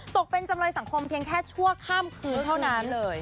ตกเป็นจำเลยสังคมเพียงแค่ชั่วข้ามคืนเท่านั้นเลย